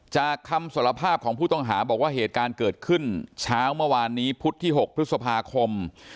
คำสารภาพของผู้ต้องหาบอกว่าเหตุการณ์เกิดขึ้นเช้าเมื่อวานนี้พุธที่๖พฤษภาคม